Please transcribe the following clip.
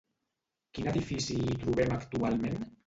Quin edifici hi trobem actualment?